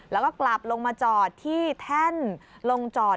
แล้วก็กลับลงมาจอดที่แท่นลงจอด